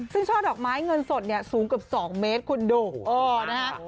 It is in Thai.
ซึ่งช่อดอกไม้เงินสดสูงเกือบ๒เมตรคุณดูโอ้นะคะ